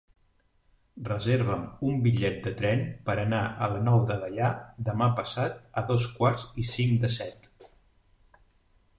Reserva'm un bitllet de tren per anar a la Nou de Gaià demà passat a dos quarts i cinc de set.